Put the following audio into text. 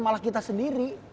malah kita sendiri